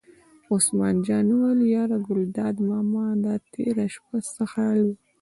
عثمان جان وویل: یاره ګلداد ماما دا تېره شپه څه حال و.